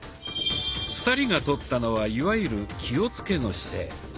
２人がとったのはいわゆる「気をつけ」の姿勢。